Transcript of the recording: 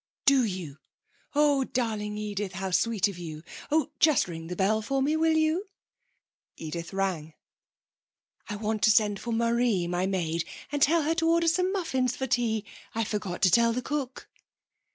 'Do you? Oh, darling Edith, how sweet of you. Oh, just ring the bell for me, will you?' Edith rang. 'I want to send for Marie, my maid, and tell her to order some muffins for tea. I forgot to tell the cook.'